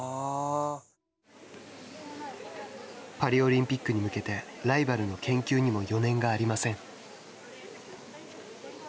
パリオリンピックに向けてライバルの研究にも余念がありません。